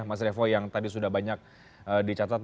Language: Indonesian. mas revo yang tadi sudah banyak dicatat